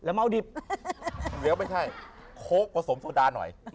เวียวไม่ใช่โค๊กผสมโซดาหน่อย